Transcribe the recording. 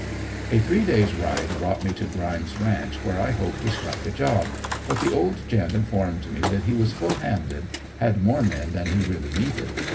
A three days' ride brought me to Grimes' ranch where I hoped to strike a job, but the old gent' informed me that he was full handed had more men than he really needed.